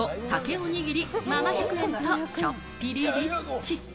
おにぎり７００円と、ちょっぴりリッチ。